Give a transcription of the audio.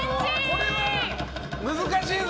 これは難しいぞ！